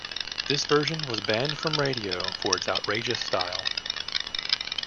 This version was banned from radio for its outrageous style.